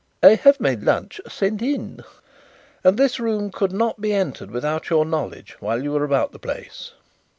"I have my lunch sent in." "And this room could not be entered without your knowledge while you were about the place?"